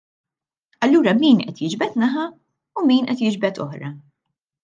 Allura min qed jiġbed naħa u min qed jiġbed oħra.